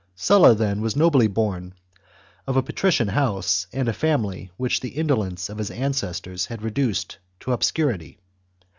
Sulla, then, was nobly born, of a patrician house, and a family which the indolence of his ancestors had reduced to obscurity.